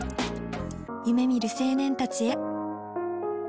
夢みる青年たちへ。